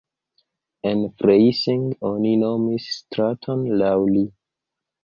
En Freising oni nomis straton laŭ li.